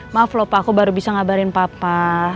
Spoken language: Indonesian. maaf lho pak aku baru bisa ngabarin papa